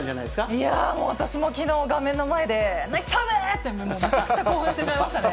いやー、私もきのう、画面の前で、ナイスサーブ！ってめちゃくちゃ興奮してしまいましたね。